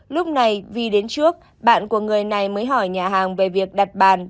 lúc này vì đến trước bạn của người này mới hỏi nhà hàng về việc đặt bàn